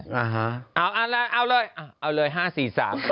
เอาเอาเลยเอาเลย๕๔๓เอาเล่น